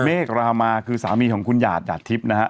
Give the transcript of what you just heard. เมฆรามาคือสามีของคุณหยาดหยาดทิพย์นะฮะ